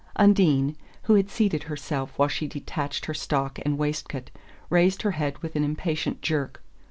Undine, who had seated herself while she detached her stock and waistcoat, raised her head with an impatient jerk.